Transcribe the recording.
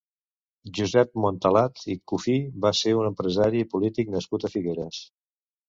Josep Montalat i Cufí va ser un empresari i polític nascut a Figueres.